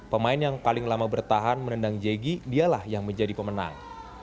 pemain yang paling lama bertahan menendang jegi dialah yang menjadi pemenang